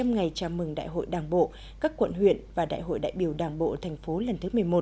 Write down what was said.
hai trăm linh ngày chào mừng đại hội đảng bộ các quận huyện và đại hội đại biểu đảng bộ tp hcm lần thứ một mươi một